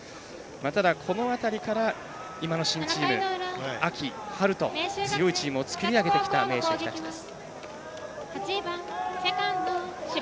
ただ、この辺りから新チーム強いチームを作り上げてきた明秀日立です。